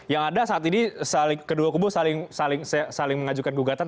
yang ada saat ini kedua kubu saling mengajukan gugatan